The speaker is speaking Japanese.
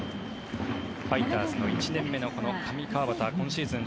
ファイターズの１年目の上川畑今シーズン